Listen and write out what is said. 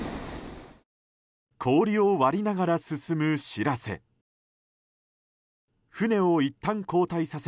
氷を割りながら進む「しらせ」。